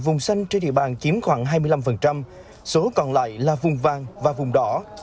vùng xanh trên địa bàn chiếm khoảng hai mươi năm số còn lại là vùng vàng và vùng đỏ